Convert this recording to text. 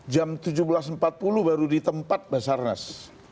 jam tujuh belas empat puluh baru ditempat basarnas